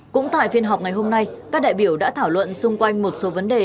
cũng tại phiên họp ngày hôm nay các đại biểu đã thảo luận xung quanh một số vấn đề